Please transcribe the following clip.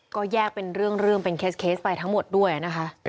ก็แยกเป็นเรื่องเป็นเคสไปทั้งหมดด้วยนะคะ